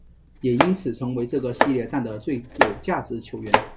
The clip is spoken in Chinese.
也因此成为这个系列战的最有价值球员。